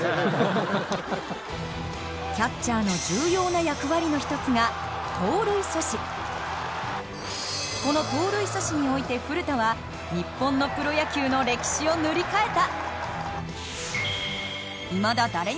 キャッチャーの重要な役割の１つがこの盗塁阻止において古田は日本のプロ野球の歴史を塗り替えた。